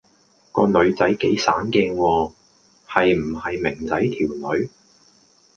個女仔幾省鏡喎，係唔係明仔條女